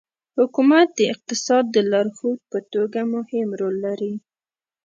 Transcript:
حکومت د اقتصاد د لارښود په توګه مهم رول لري.